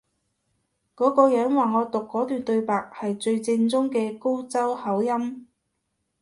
嗰個人話我讀嗰段對白係最正宗嘅高州口音